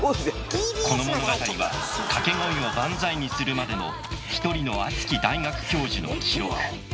この物語は掛け声を「バンザイ」にするまでの一人の熱き大学教授の記録。